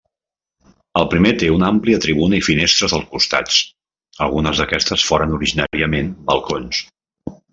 El primer té una àmplia tribuna i finestres als costats; algunes d'aquestes foren originàriament balcons.